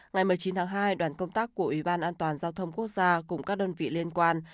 ngày một mươi chín tháng hai đoàn công tác của ủy ban an toàn giao thông quốc gia cùng các đơn vị liên quan